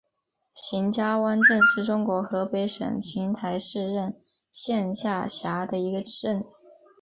邢家湾镇是中国河北省邢台市任县下辖的一个镇。